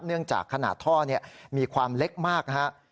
เนื่องจากขนาดท่อมีความเล็กมากนะครับ